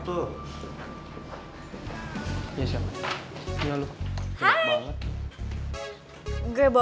eh tau lah bo